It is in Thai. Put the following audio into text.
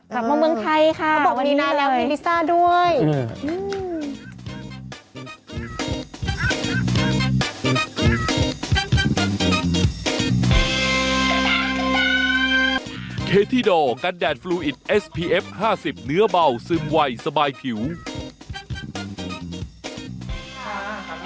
กลับมาเมืองไทยค่ะวันนี้เลยเขาบอกวันนี้นานแล้วมีลิซ่าด้วย